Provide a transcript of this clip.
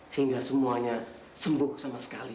sehingga semuanya sembuh sama sekali